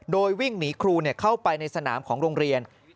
โดยวิ่งหนีครูเข้าไปในสนามของโรงเรียน